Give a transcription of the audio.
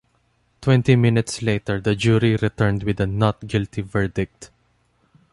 Twenty minutes later the jury returned with a "Not guilty" verdict.